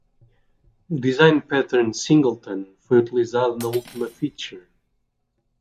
O design pattern Singleton foi utilizado na última feature.